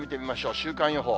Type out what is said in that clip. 週間予報。